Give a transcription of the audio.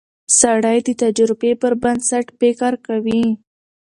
سړی د تجربې پر بنسټ فکر کوي